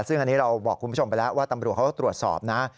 ซึ่งอันนี้เราบอกคุณผู้ชมไปแล้วว่าตำรวจเขาก็ตรวจสอบนะ